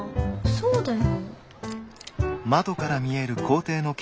そうだよ。